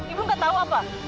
ibu gak tau apa